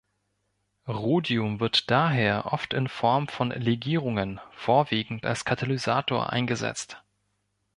Rhodium wird daher, oft in Form von Legierungen, vorwiegend als Katalysator eingesetzt.